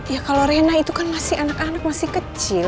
ya kalau rena itu kan masih anak anak masih kecil